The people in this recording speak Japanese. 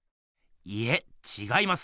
いえちがいます。